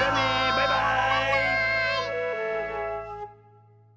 バイバーイ！